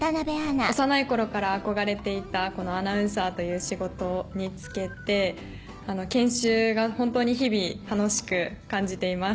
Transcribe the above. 幼い頃から憧れていたこのアナウンサーという仕事に就けて研修がホントに日々楽しく感じています。